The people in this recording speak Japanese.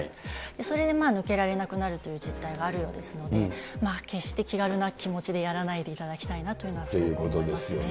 それで抜けられなくなるという実態があるようですので、決して気軽な気持ちでやらないでいただきたいなというのは思いまということですよね。